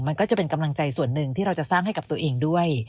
มันก็จะเป็นกำลังใจส่วนหนึ่งที่เราจะสร้างให้กับตัวเองด้วย